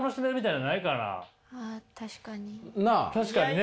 確かにね。